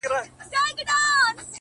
• رستمان یې زور ته نه سوای ټینګېدلای,